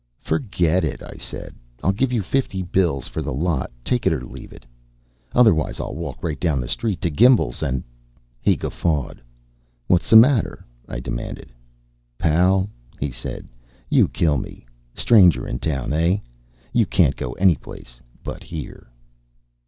"Forget it," I said. "I'll give you fifty bills for the lot, take it or leave it. Otherwise I'll walk right down the street to Gimbel's and " He guffawed. "Whats the matter?" I demanded. "Pal," he said, "you kill me. Stranger in town, hey? You can't go anyplace but here."